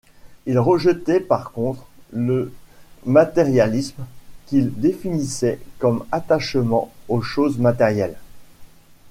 Il rejetait par contre le matérialisme, qu'il définissait comme attachement aux choses matérielles.